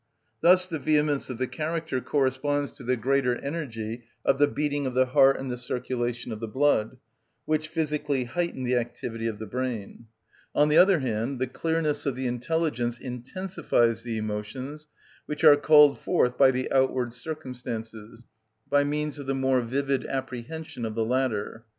Thus the vehemence of the character corresponds to the greater energy of the beating of the heart and the circulation of the blood, which physically heighten the activity of the brain. On the other hand, the clearness of the intelligence intensifies the emotions, which are called forth by the outward circumstances, by means of the more vivid apprehension of the latter.